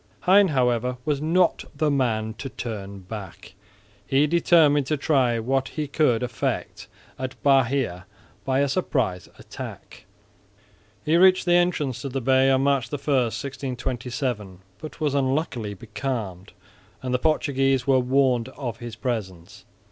Hein however was not the man to turn back. He determined to try what he could effect at Bahia by a surprise attack. He reached the entrance to the bay on March 1, 1627, but was unluckily becalmed; and the Portuguese were warned of his presence.